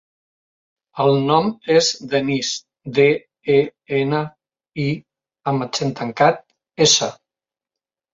El nom és Denís: de, e, ena, i amb accent tancat, essa.